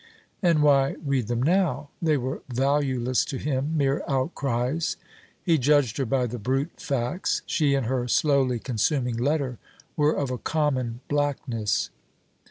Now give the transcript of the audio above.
And why read them now? They were valueless to him, mere outcries. He judged her by the brute facts. She and her slowly consuming letter were of a common blackness.